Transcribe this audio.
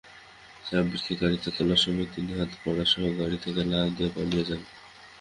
সাব্বিরকে গাড়িতে তোলার সময় তিনি হাতকড়াসহ গাড়ি থেকে লাফ দিয়ে পালিয়ে যান।